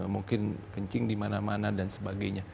mungkin kencing di mana mana dan sebagainya